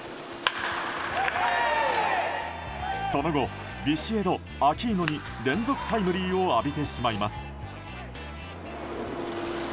その後、ビシエド、アキーノに連続タイムリーを浴びてしまいます。